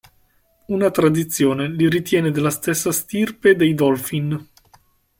Una tradizione li ritiene della stessa stirpe dei Dolfin.